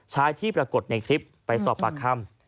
ที่ปรากฏในคลิปไปสอบปากคำ